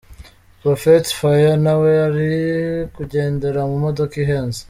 Prophet Fire nawe ari kugendera mu modoka ihenze.